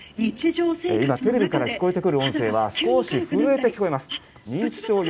今、テレビから聞こえてくる音声は少し震えて聞こえます。